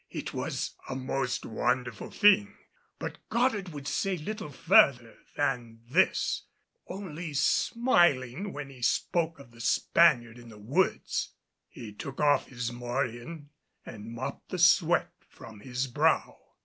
It was a most wonderful thing; but Goddard would say little further than this, only smiling when he spoke of the Spaniard in the woods. He took off his morion and mopped the sweat from his brow.